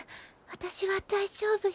私は大丈夫よ。